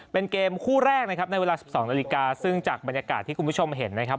เป็นเกมคู่แรกนะครับในเวลา๑๒นาฬิกาซึ่งจากบรรยากาศที่คุณผู้ชมเห็นนะครับ